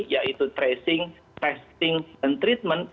yaitu tracing testing dan treatment